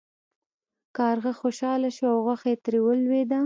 کارغه خوشحاله شو او غوښه ترې ولویده.